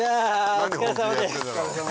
お疲れさまでした。